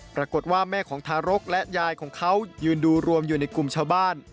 ปรากฏว่าแม่ของทารกและยายของเขายืนดูรวมอยู่ในกลุ่มชาวบ้าน